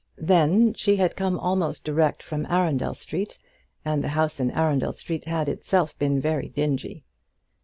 Then she had come almost direct from Arundel Street, and the house in Arundel Street had itself been very dingy.